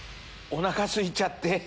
お腹すいちゃって。